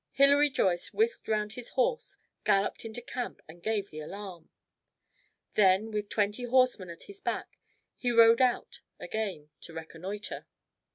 Hilary Joyce whisked round his horse, galloped into camp, and gave the alarm. Then, with twenty horsemen at his back, he rode out again to reconnoitre.